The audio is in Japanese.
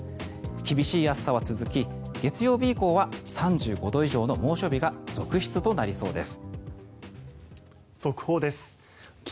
厳しい暑さは続き月曜日以降は３５度以上の猛暑日が続出となりそうです。